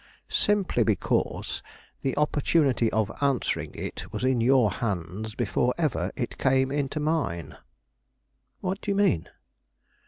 "Simply because the opportunity of answering it was in your hands before ever it came into mine." "What do you mean?"